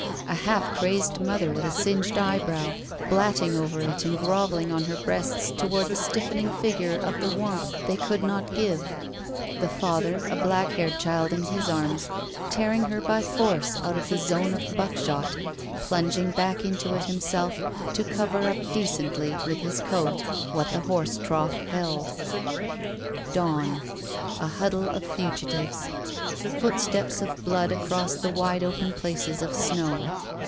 A half crazed mother with a singed eyebrow, blatting over it and groveling on her breasts toward the stiffening figure for the warmth they could not give; the father, a black haired child in his arms, tearing her by force out of the zone of buckshot, plunging back into it himself to cover up decently, with his coat, what the horse trough held. Dawn. A huddle of fugitives. Footsteps of blood across the wide open places of snow.